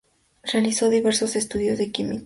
Realizó diversos estudios de química.